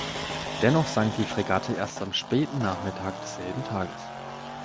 Dennoch sank die Fregatte erst am späten Nachmittag desselben Tages.